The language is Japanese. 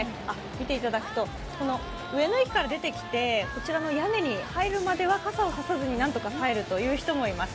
見ていただくと、上野駅から出てきてこちらの屋根に入るまでは傘を差さずに何とか入るという人もいます。